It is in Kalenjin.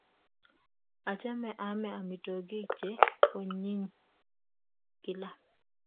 Achame aame amitwogik che onyiny kila.